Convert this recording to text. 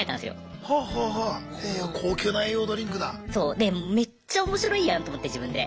で「めっちゃおもしろいやん！」と思って自分で。